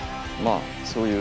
そういう。